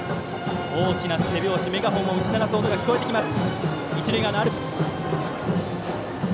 大きな手拍子、メガホンを打ち鳴らす音が聞こえます。